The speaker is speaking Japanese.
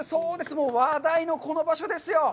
もう話題のこの場所ですよ。